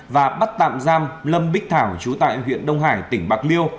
và bắt tạm giam lâm bích thảo chú tại huyện đông hải tỉnh bạc liêu